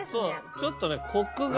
ちょっとねコクが。